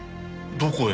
どこへ？